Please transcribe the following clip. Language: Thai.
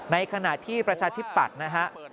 ในขณะที่ประชาชิตปัดนะครับ